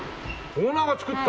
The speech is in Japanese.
オーナーが作った！？